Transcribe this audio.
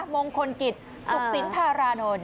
มงคลกิจสุขศิลป์ทารานนท์